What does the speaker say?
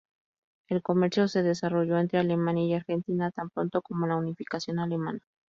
El comercio se desarrolló entre Alemania y Argentina tan pronto como la Unificación Alemana.